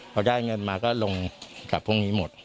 พอได้เงินมาก็ลงกับพวกนี้หมด